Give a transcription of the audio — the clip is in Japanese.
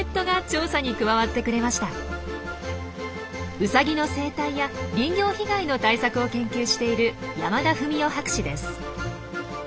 ウサギの生態や林業被害の対策を研究している山田文雄博士です。